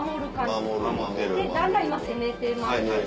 でだんだん今攻めてます。